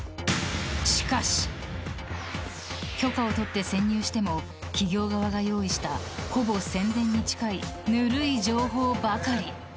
しかし、許可を取って潜入しても企業側が用意したほぼ宣伝に近いぬるい情報ばかり。